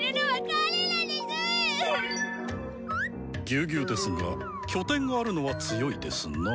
ぎゅうぎゅうですが拠点があるのは強いですな。